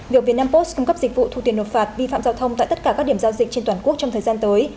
việc việt nam post cung cấp dịch vụ thu tiền nộp phạt vi phạm giao thông tại tất cả các điểm giao dịch trên toàn quốc trong thời gian tới